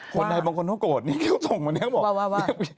คนไหนบางคนเขาโกรธนี่เขาส่งมานี้เขาบอก